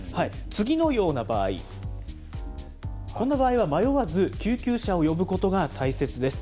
次のような場合、こんな場合は迷わず、救急車を呼ぶことが大切です。